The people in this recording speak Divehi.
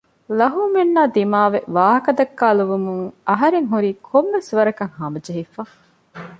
ލަހޫމެންނާ ދިމާވެ ވާހަކަދައްކާލެވުމުން އަހަރެން ހުރީ ކޮންމެސްވަރަކަށް ހަމަޖެހިފަ